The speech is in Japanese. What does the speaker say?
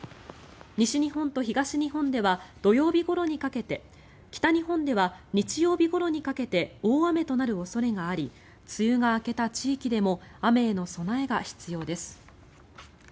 西日本と東日本では土曜日ごろにかけて北日本では日曜日ごろにかけて大雨となる恐れがあり梅雨が明けた地域でも雨への備えが必要です。